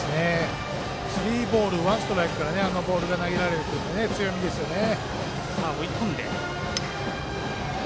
スリーボールワンストライクからあのボール投げられると強いですよね。